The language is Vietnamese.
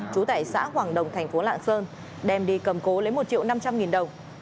chú tại xã hoàng đồng tp lạng sơn đem đi cầm cố lấy một triệu năm trăm linh nghìn đồng